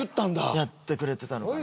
やってくれてたのかも。